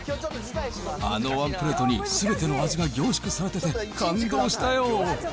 あのワンプレートにすべての味が凝縮されてて、感動したよ。